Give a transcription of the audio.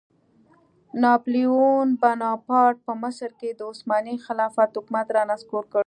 ناپیلیون بناپارټ په مصر کې د عثماني خلافت حکومت رانسکور کړ.